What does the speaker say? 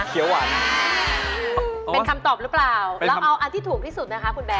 เป็นคำตอบหรือเปล่าเราเอาอันที่ถูกที่สุดนะคะคุณแบร์